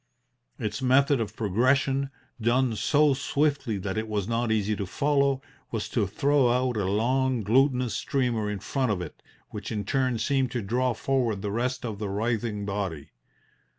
Its method of progression done so swiftly that it was not easy to follow was to throw out a long, glutinous streamer in front of it, which in turn seemed to draw forward the rest of the writhing body.